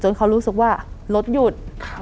เขารู้สึกว่ารถหยุด